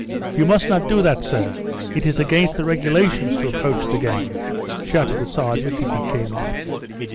"You must not do that, sir. It is against the regulations to approach the gang," shouted the sergeant as he came up.